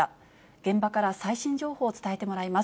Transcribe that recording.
現場から最新情報を伝えてもらいます。